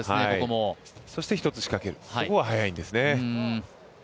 そして１つ仕掛けるここが速いんですね。